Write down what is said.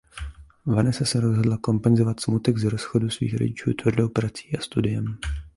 Vanessa se rozhodla kompenzovat smutek z rozchodu svých rodičů tvrdou prací a studiem.